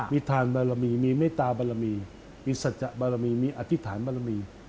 มีทานบารมีมีเมตตาบารมีมีสัจบารมีมีอธิษฐานบรมี